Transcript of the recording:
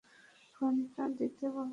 ফোনটা দিতে বলছি!